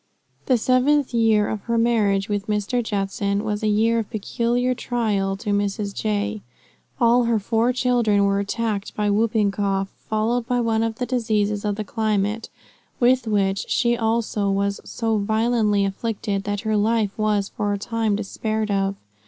The seventh year of her marriage with Mr. Judson, was a year of peculiar trial to Mrs. J. All her four children were attacked by whooping cough followed by one of the diseases of the climate, with which she also was so violently afflicted that her life was for a time despaired of.